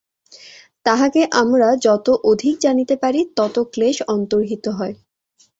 তাঁহাকে আমরা যত অধিক জানিতে পারি, তত ক্লেশ অন্তর্হিত হয়।